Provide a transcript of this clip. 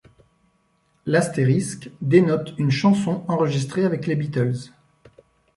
L'astérisque dénote une chanson enregistrée avec les Beatles.